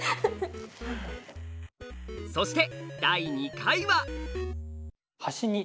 そして第２回は。